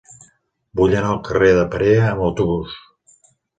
Vull anar al carrer de Perea amb autobús.